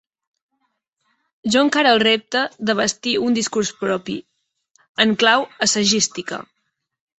Jo encare el repte de bastir un discurs propi, en clau assagística.